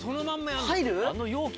入る？